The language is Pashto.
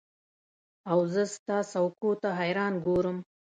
اوزه ستا څوکو ته حیران ګورم